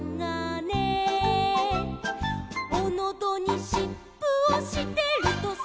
「おのどにしっぷをしてるとさ」